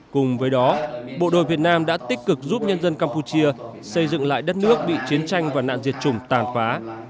cùng với đó bộ đội việt nam đã tích cực giúp nhân dân campuchia xây dựng lại đất nước bị chiến tranh và nạn diệt chủng tàn phá